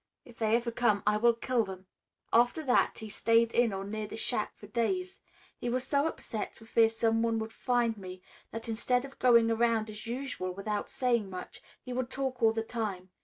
If they ever come I will kill them.' "After that he stayed in or near the shack for days. He was so upset for fear someone would find me that instead of going around as usual without saying much, he would talk all the time.